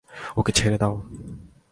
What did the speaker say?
ওকে ছেড়ে দাও।